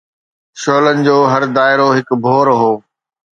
شعلن جو هر دائرو هڪ ڀور هو